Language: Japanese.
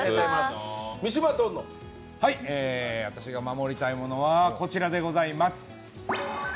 私が守りたいものはこちらでございます。